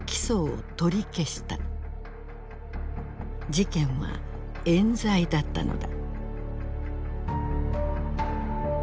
事件は冤罪だったのだ。